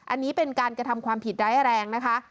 อันนี้เป็นการกระทำความผิดร้ายแรงนะคะ